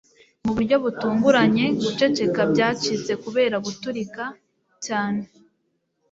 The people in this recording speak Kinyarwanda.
mu buryo butunguranye, guceceka byacitse kubera guturika cyane